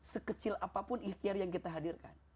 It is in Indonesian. sekecil apapun ikhtiar yang kita hadirkan